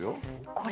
これ。